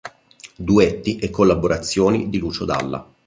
Duetti e collaborazioni di Lucio Dalla